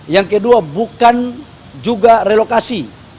yang kedua bukan juga relokasi